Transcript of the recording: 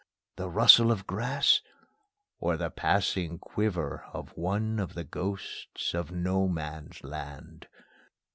The rustle of grass, or the passing quiver Of one of the ghosts of No Man's Land?